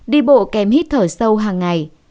đi bộ kèm hít thở sâu hằng ngày